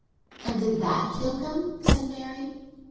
"And did that kill him?" said Mary.